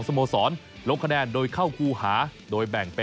อย่างแรกเลยการเลือกตั้งนะครับจะใช้วิธีในการลงคะแนนลับแก๊บ